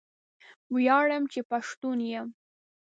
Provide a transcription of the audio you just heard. ویاړم چې پښتون یم